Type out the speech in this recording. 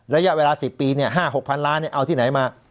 ระยะเวลา๑๐ปีเนี่ย๕๖พันล้านเนี่ยเอาที่ไหนมา